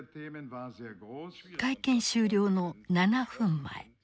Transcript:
会見終了の７分前